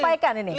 sudah pasti lihat